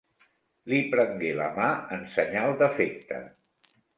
Li prengué la mà en senyal d'afecte.